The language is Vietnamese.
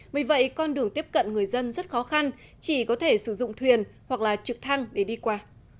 vì vậy con đường tiếp cận người dân rất khó khăn chỉ có thể sử dụng thuyền hoặc là trực thăng để đi qua